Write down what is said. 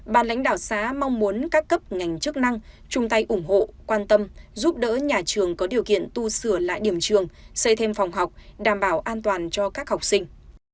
bàn lãnh đạo xá mong muốn các cấp ngành chức năng chung tay ủng hộ quan tâm giúp đỡ nhà trường có điều kiện tu sửa lại điểm trường xây thêm phòng học đảm bảo an toàn cho các học sinh